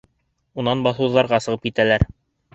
Унан баҫыуҙарға сығып китәләр.